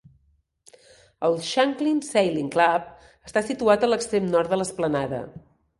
El Shanklin Sailing Club està situat a l'extrem nord de l'esplanada.